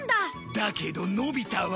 だけどのび太は